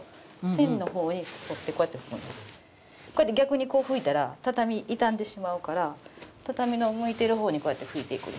こうやって逆にこう拭いたら畳傷んでしまうから畳の向いてる方にこうやって拭いていく。